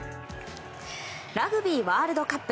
ラグビーワールドカップ。